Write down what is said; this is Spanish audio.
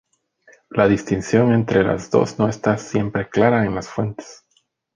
La distinción entre las dos no está siempre clara en las fuentes.